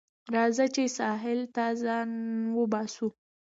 راځه چې ساحل ته ځان وباسو